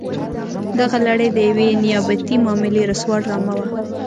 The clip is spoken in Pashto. دغه لړۍ د یوې نیابتي معاملې رسوا ډرامه وه.